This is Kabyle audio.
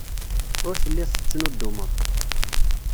Ur telliḍ tettnuddumeḍ.